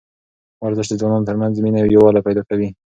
ورزش د ځوانانو ترمنځ مینه او یووالی پیدا کوي.